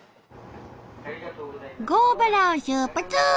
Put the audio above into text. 郷原を出発！